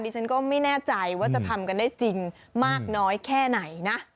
ฉันก็ไม่แน่ใจว่าจะทำกันได้จริงมากน้อยแค่ไหนนะ